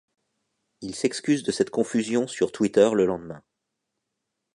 Il s'excuse de cette confusion sur Twitter le lendemain.